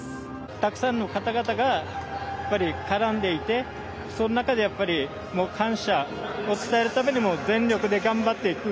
たくさんの方々がやっぱり絡んでいてその中で感謝を伝えるためにも全力で頑張っていく。